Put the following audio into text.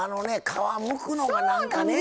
皮むくのがなんかね。